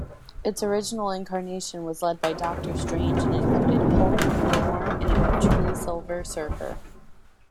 Its original incarnation was led by Doctor Strange and included Hulk, Namor, and-eventually-Silver Surfer.